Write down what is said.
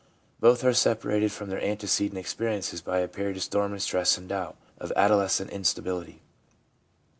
Both are separated from their antecedent experi ences by a period of storm and stress and doubt, of adolescent instability.